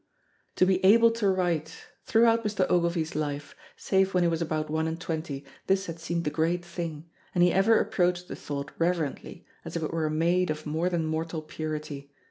To be able to write! Throughout Mr. Ogilvy's life, save when he was about one and twenty, this had seemed the great thing, and he ever approached the thought reverently, as if it were a maid of more than mortal purity.